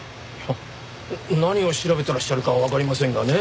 何を調べてらっしゃるかわかりませんがね